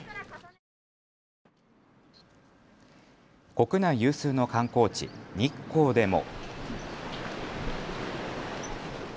国内有数の観光地、日光でも。